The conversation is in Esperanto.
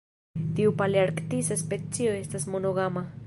Tiu palearktisa specio estas monogama.